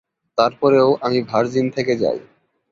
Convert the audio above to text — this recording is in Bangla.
তারপরেও আমি ভার্জিন থেকে যাই৷